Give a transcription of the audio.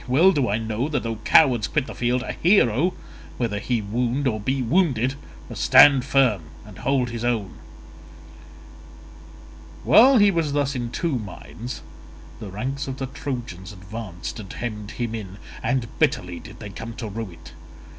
Well do I know that though cowards quit the field, a hero, whether he wound or be wounded, must stand firm and hold his own." While he was thus in two minds, the ranks of the Trojans advanced and hemmed him in, and bitterly did they come to rue it.